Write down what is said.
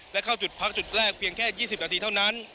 และเข้าจุดพักจุดแรกเพียงแค่๒๐นาทีเท่านั้น